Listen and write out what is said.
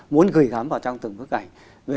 muốn gửi gắm vào trong từng bức ảnh